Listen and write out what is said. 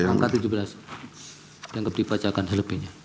jangan keberbacakan yang lebihnya